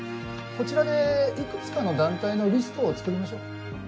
こちらでいくつかの団体のリストを作りましょう。